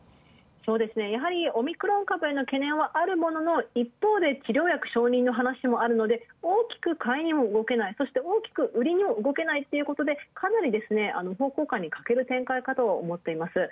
そうですね、やはりオミクロン株の懸念はあるものの、一方で、治療薬承認の話もあるので大きく買いにも動けない、そして大きく売りにも動けないということで、かなり方向感に欠ける展開かと思っています。